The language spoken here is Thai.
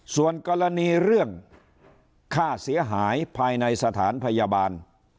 ส่วนกรณีเรื่องค่าเสียหายภายในสถานพยาบาล